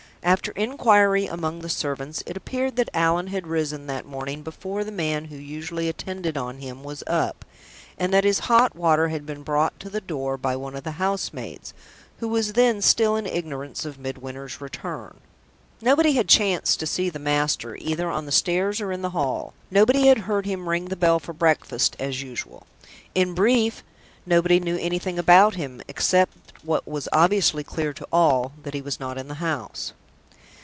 After inquiry among the servants, it appeared that Allan had risen that morning before the man who usually attended on him was up, and that his hot water had been brought to the door by one of the house maids, who was then still in ignorance of Midwinter's return. Nobody had chanced to see the master, either on the stairs or in the hall; nobody had heard him ring the bell for breakfast, as usual. In brief, nobody knew anything about him, except what was obviously clear to all that he was not in the house.